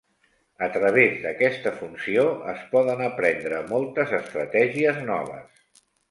A través d'aquesta funció, es poden aprendre moltes estratègies noves.